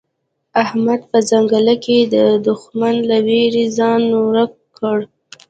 احمد په ځنګله کې د دوښمن له وېرې ځان ورک کړ.